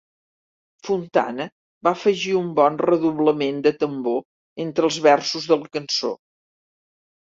Fontana va afegir un bon redoblament de tambor entre els versos de la cançó.